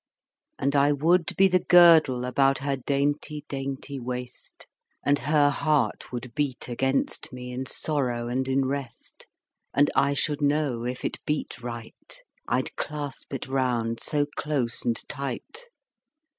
And I would be the girdle About her dainty dainty waist, And her heart would beat against me, In sorrow and in rest: 10 And I should know if it beat right, I'd clasp it round so close and tight.